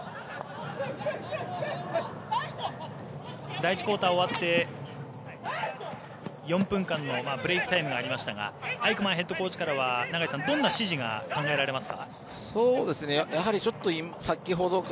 第１クオーター終わって４分間のブレークタイムがありましたがアイクマンヘッドコーチからはどんな指示が考えられますか？